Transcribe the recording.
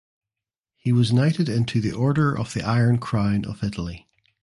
He was knighted into the order of the Iron Crown of Italy.